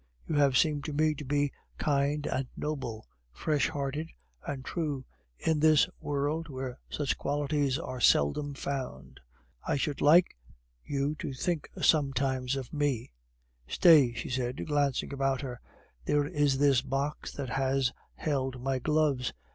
You have seemed to me to be kind and noble, fresh hearted and true, in this world where such qualities are seldom found. I should like you to think sometimes of me. Stay," she said, glancing about her, "there is this box that has held my gloves.